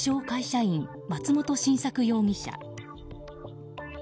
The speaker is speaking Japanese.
会社員、松本真作容疑者。